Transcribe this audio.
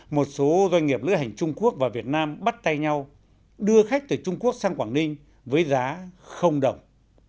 một số doanh nghiệp lữ hành trung quốc và việt nam bắt tay nhau đưa khách từ trung quốc sang quảng ninh với giá đồng